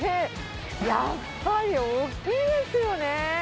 やっぱり大きいですよね。